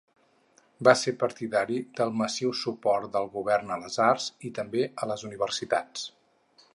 Va ser partidari del massiu suport del govern a les arts, i també a les universitats.